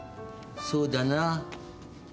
そうだな。